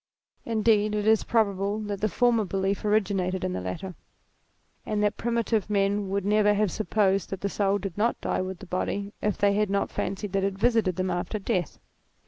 Indeed 206 THEISM it is probable that the former belief originated in the latter, and that primitive men would never have supposed that the soul did not die with the body if they had not fancied that it visited them after death.